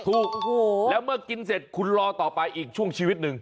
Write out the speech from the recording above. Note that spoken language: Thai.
ถูกแล้วเมื่อกินเสร็จคุณรอต่อไปอีกช่วงชีวิตหนึ่ง